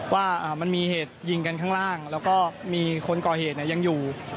ว่ามันมีเหตุยิงกันข้างล่างแล้วก็มีคนก่อเหตุยังอยู่